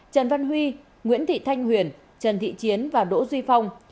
trần văn huy nguyễn thị thanh huyền trần thị chiến và đỗ duy phong